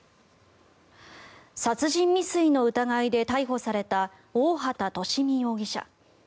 殺人未遂の疑いで逮捕された大畑利美容疑者。